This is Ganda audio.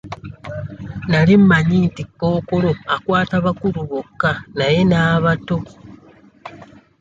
Nali mmanyi nti Kkookolo akwata bakulu bokka naye n'abato!